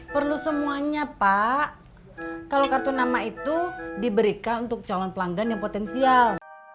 perlu semuanya pak kalau kartu nama itu diberikan untuk calon pelanggan yang potensial